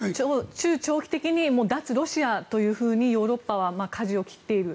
中長期的に脱ロシアとヨーロッパはかじを切っている。